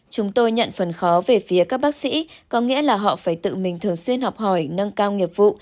chúng tôi nhận phần khó về phía các bác sĩ có nghĩa là họ phải tự mình thường xuyên học hỏi nâng cao nghiệp vụ